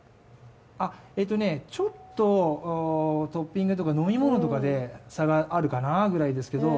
ちょっとトッピングとか飲み物で差があるかなぐらいですけど。